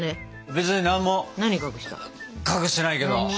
別に何も隠してないけど。